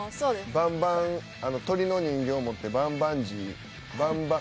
バンバン鳥の人形を持って「バンバンジーバンバン」。